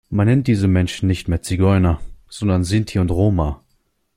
Man nennt diese Menschen nicht mehr Zigeuner, sondern Sinti und Roma.